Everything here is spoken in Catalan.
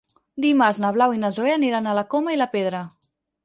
Dimarts na Blau i na Zoè aniran a la Coma i la Pedra.